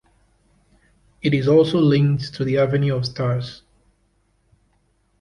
It is also linked to the Avenue of Stars.